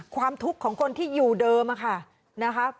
ความทุกของคนที่อยู่เดิมอ่ะค่ะ